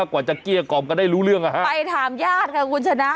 กว่าจะเกลี้ยกล่อมกันได้รู้เรื่องอ่ะฮะไปถามญาติค่ะคุณชนะ